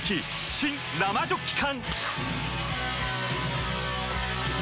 新・生ジョッキ缶！